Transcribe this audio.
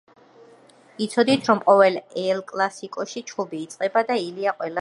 იცოდით რომ ყოველ ელკლასიკოში ჩხუბი იწყება და ილია ყველას ცემს